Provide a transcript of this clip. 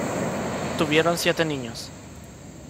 Tuvieron siete niños.